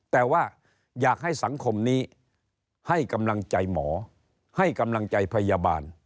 แต่ว่าอยากให้สังคมนี้ให้กำลังใจหมอให้กำลังใจพยาบาล